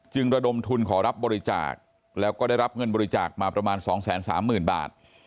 ระดมทุนขอรับบริจาคแล้วก็ได้รับเงินบริจาคมาประมาณ๒๓๐๐๐บาท